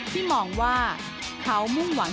ที่มองว่าเขามุ่งหวัง